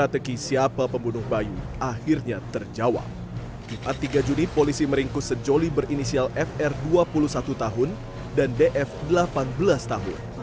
di empat tiga juni polisi meringkus sejoli berinisial fr dua puluh satu tahun dan df delapan belas tahun